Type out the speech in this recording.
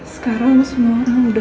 sekarang semua orang udah tau tentang elsa